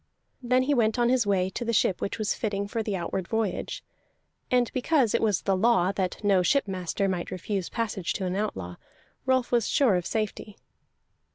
Then he went on his way to the ship which was fitting for the outward voyage; and because it was the law that no shipmaster might refuse passage to an outlaw, Rolf was sure of safety.